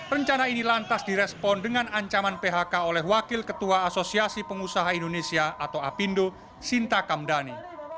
rencana ini lantas direspon dengan ancaman phk oleh wakil ketua asosiasi pengusaha indonesia atau apindo sinta kamdani